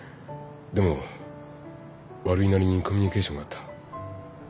でも悪いなりにコミュニケーションがあった。